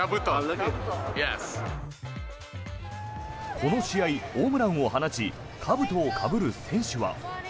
この試合、ホームランを放ちかぶとをかぶる選手は。